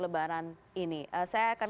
lebaran ini saya akan